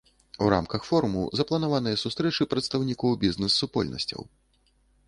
У рамках форуму запланаваныя сустрэчы прадстаўнікоў бізнэс-супольнасцяў.